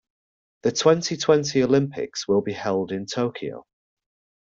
The twenty-twenty Olympics will be held in Tokyo.